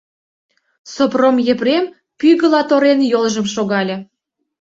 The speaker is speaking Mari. Сопром Епрем пӱгыла торен йолжым шогале.